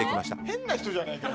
変な人じゃないか。